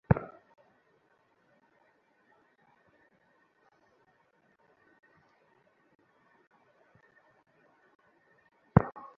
একই সঙ্গে যত্রতত্র ফেলা ডিমের খোসাসহ অবশিষ্টাংশ পরিষ্কার করতে পার্কটির কর্মচারীদের নাভিশ্বাস।